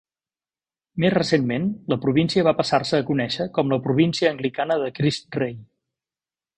Més recentment, la província va passar-se a conèixer com la Província Anglicana de Crist Rei.